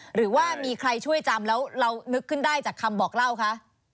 หรือว่ามีใครช่วยจำแล้วเรานึกขึ้นได้จากคำบอกเล่าคะ